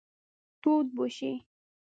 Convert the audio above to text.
تود به شئ.